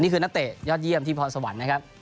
นี่คือนักเตะยอดเยี่ยมที่พรสวรรค์นะครับ